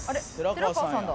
寺川さんだ」